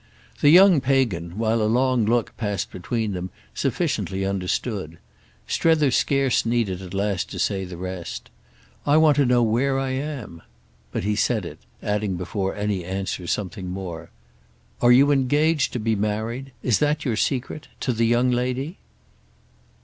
The young Pagan, while a long look passed between them, sufficiently understood. Strether scarce needed at last to say the rest—"I want to know where I am." But he said it, adding before any answer something more. "Are you engaged to be married—is that your secret?—to the young lady?"